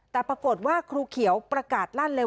แต่ปรากฏว่าครูเขียวประกาศลั่นเลย